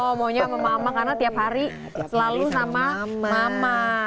oh maunya sama mama karena tiap hari selalu sama mama